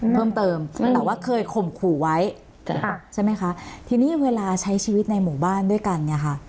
เพิ่มเติมแต่ว่าเคยข่มขู่ไว้ใช่ไหมคะทีนี้เวลาใช้ชีวิตในหมู่บ้านด้วยกันเนี่ยค่ะ